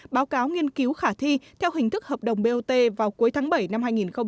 báo cáo nghiên cứu khả thi theo hình thức hợp đồng bot vào cuối tháng bảy năm hai nghìn hai mươi